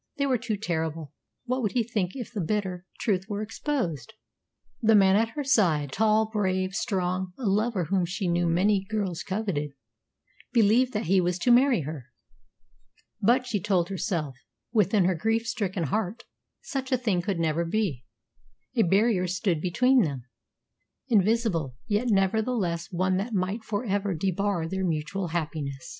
They were too terrible. What would he think if the bitter truth were exposed? The man at her side, tall, brave, strong a lover whom she knew many girls coveted believed that he was to marry her. But, she told herself within her grief stricken heart, such a thing could never be. A barrier stood between them, invisible, yet nevertheless one that might for ever debar their mutual happiness.